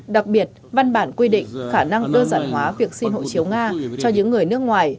đặc biệt văn bản quy định khả năng đơn giản hóa việc xin hộ chiếu nga cho những người nước ngoài